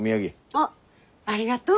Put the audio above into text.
あっありがとう。